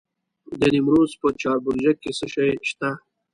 د نیمروز په چاربرجک کې څه شی شته؟